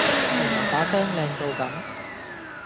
原来把聲靚到咁